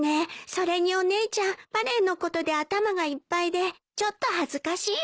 それにお姉ちゃんバレーのことで頭がいっぱいでちょっと恥ずかしいわ。